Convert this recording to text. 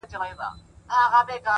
ماته زارۍ كوي چي پرېميږده ه ياره ـ